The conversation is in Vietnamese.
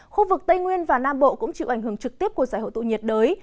khu vực tây nguyên và nam bộ cũng chịu ảnh hưởng trực tiếp của giải hội tụ nhiệt đới